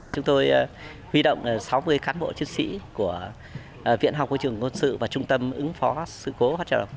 chúng tôi huy động sáu mươi cán bộ chiến sĩ của viện học của trường ngôn sự và trung tâm ứng phó sự cố hoạt trợ độc